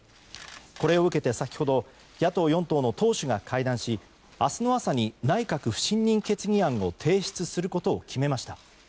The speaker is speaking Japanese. これを受けて、先ほど野党４党の党首が会談し明日の朝に内閣不信任決議案を提出することを決めました。